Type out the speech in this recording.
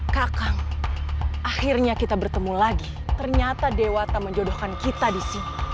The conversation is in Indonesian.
kak kang akhirnya kita bertemu lagi ternyata dewa tak menjodohkan kita di sini